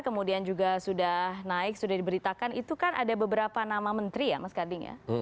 kemudian juga sudah naik sudah diberitakan itu kan ada beberapa nama menteri ya mas karding ya